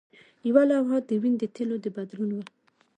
یوه لوحه د وین د تیلو د بدلون وه